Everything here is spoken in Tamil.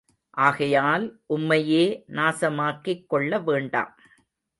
ஆகையால், உம்மையே நாசமாக்கிக் கொள்ள வேண்டாம்.